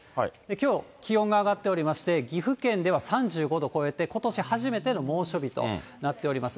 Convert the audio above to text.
きょう、気温が上がっておりまして、岐阜県では３５度を超えて、ことし初めての猛暑日となっております。